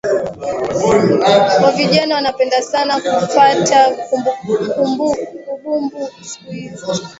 Wavijana wanapenda sana kufata kabumbu siku izi